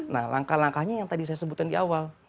nah langkah langkahnya yang tadi saya sebutkan di awal